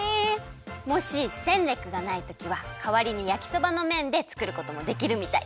もしセンレックがないときはかわりにやきそばのめんでつくることもできるみたい。